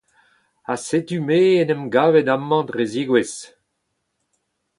Ha setu me en em gavet amañ dre zegouezh